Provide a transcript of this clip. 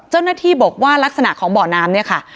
เจ้าหน้าที่บอกว่าลักษณะของบ่อน้ำเนี่ยค่ะ